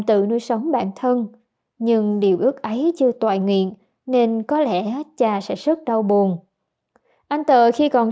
tự nuôi sống bản thân nhưng điều ước ấy chưa toàn nguyện nên có lẽ cha sẽ rất đau buồn anh tờ khi còn